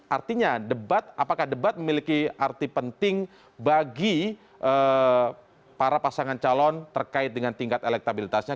artinya debat apakah debat memiliki arti penting bagi para pasangan calon terkait dengan tingkat elektabilitasnya